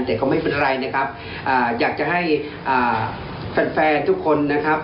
แต่เขาไม่เป็นไรนะครับอยากจะให้แฟนแฟนทุกคนนะครับ